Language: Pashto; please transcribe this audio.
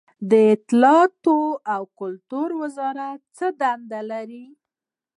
د اطلاعاتو او کلتور وزارت څه دنده لري؟